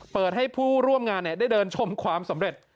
เปิดให้ผู้ร่วมงานได้เดินชมความสำเร็จ